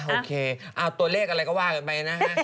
โอเคเอาตัวเลขอะไรก็ว่ากันไปนะฮะ